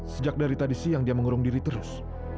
sejak dari tadi siang dia mengurung diri terus